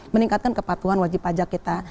meningkatkan kepatuhan wajib pajak kita